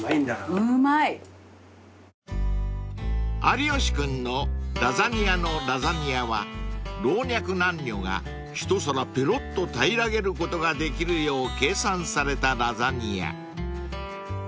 ［有吉君のラザニ屋のラザニアは老若男女が一皿ぺろっと平らげることができるよう計算されたラザニア］